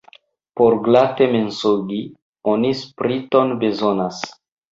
Por glate mensogi, oni spriton bezonas.